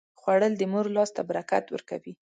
خوړل د مور لاس ته برکت ورکوي